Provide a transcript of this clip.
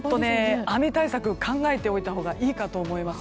雨対策を考えておいたほうがいいかと思います。